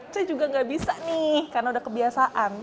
saya juga nggak bisa nih karena udah kebiasaan